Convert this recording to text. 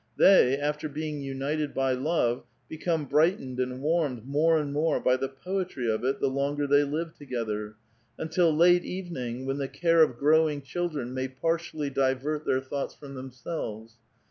They, after being united by love, become brightened and warmed more and more by the poetry of it the longer they live together, until late evening, when the care of growing children may partially divert their thoughts from themselves.